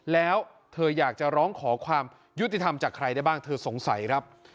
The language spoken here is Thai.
แล้วเธออยากจะร้องขอความยุติธรรมจากใครได้บ้างเธอสงสัยครับ